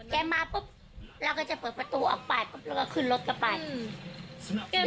แกมาปุ๊บเราก็จะเปิดประตูออกไปปุ๊บแล้วก็ขึ้นรถกลับไปอืม